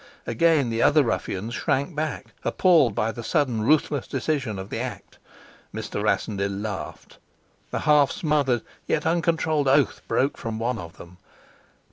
Again the other ruffians shrank back, appalled by the sudden ruthless decision of the act. Mr. Rassendyll laughed. A half smothered yet uncontrolled oath broke from one of them.